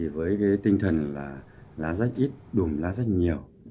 với tinh thần là lá rách ít đùm lá rách nhiều